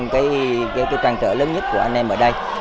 cái trăng trở lớn nhất của anh em ở đây